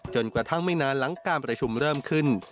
จนกระทั่งไม่นานหลังการประชุมเริ่มขึ้น